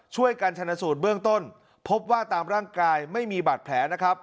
ช่วยกันชนะสูตรเบื้องต้นพบว่าตามร่างกายไม่มีบาดแผลนะครับ